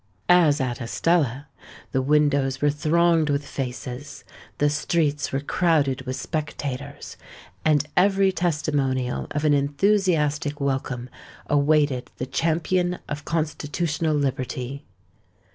As at Estella, the windows were thronged with faces—the streets were crowded with spectators—and every testimonial of an enthusiastic welcome awaited the champion of Constitutional Liberty.